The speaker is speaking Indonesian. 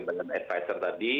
sama dengan advisor tadi